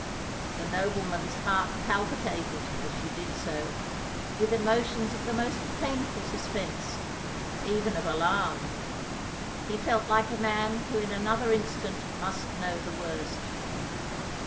The nobleman's heart palpitated, as she did so, with emotions of the most painful suspense—even of alarm: he felt like a man who in another instant must know the worst.